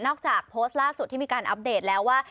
จากโพสต์ล่าสุดที่มีการอัปเดตแล้วว่า